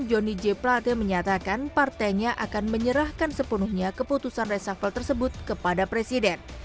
menyebutkan partainya akan menyerahkan sepenuhnya keputusan resafel tersebut kepada presiden